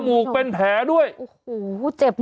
ทางเข้าไปเพราะว่าถ้าเราเข้าไปอ่ะ